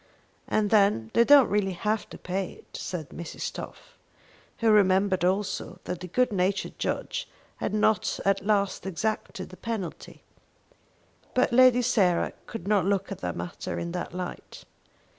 "And then they don't really have to pay it," said Mrs. Toff, who remembered also that the good natured judge had not at last exacted the penalty. But Lady Sarah could not look at the matter in that light.